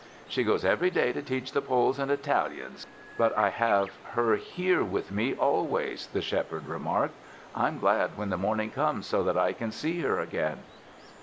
"She goes every day to teach the Poles and Italians, but I have her here with me always," the Shepherd remarked. "I'm glad when the morning comes so that I can see her again."